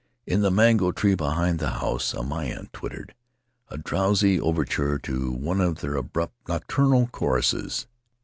In the mango tree behind the house a mynah twittered — a drowsy overture to one of their abrupt nocturnal choruses.